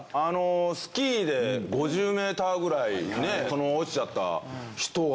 スキーで５０ｍぐらい落ちちゃった人は。